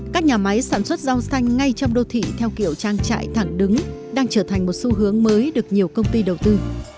các nhà máy sản xuất rau xanh ngay trong đô thị theo kiểu trang trại thẳng đứng đang trở thành một xu hướng mới được nhiều công ty đầu tư